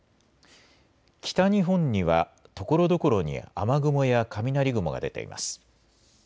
北日本にはところどころに雨雲や雷雲が出ています。